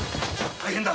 大変だ！